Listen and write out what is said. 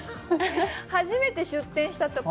初めて出店したとか。